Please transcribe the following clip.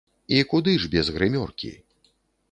І куды ж без грымёркі!